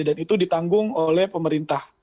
dan itu ditanggung oleh pemerintah